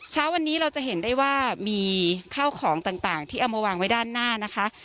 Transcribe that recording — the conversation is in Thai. เช้าวันนี้เราจะเห็นได้ว่ามีข้าวของต่างที่เอามาวางไว้ด้านหน้านะคะ